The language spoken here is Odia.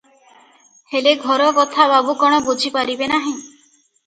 ହେଲେ ଘର କଥା ବାବୁ କଣ ବୁଝି ପାରିବେ ନାହିଁ?